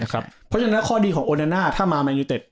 เพราะฉะนั้นข้อดีของโอเดน่าถ้ามาแมนยูเต็ด